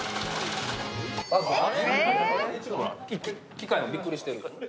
機械がびっくりしてる。